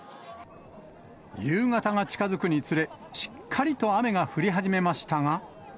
夕方が近づくにつれ、しっかりと雨が降り始めましたが。